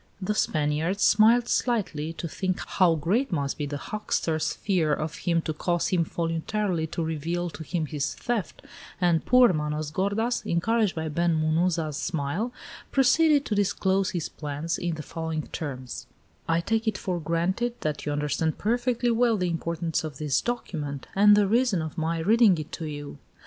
The Spaniard smiled slightly to think how great must be the huckster's fear of him to cause him voluntarily to reveal to him his theft, and poor Manos gordas, encouraged by Ben Munuza's smile, proceeded to disclose his plans, in the following terms: "I take it for granted that you understand perfectly well the importance of this document and the reason of my reading it to you.